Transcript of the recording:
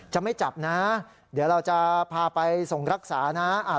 จะไม่จับนะเดี๋ยวเราจะพาไปส่งรักษานะ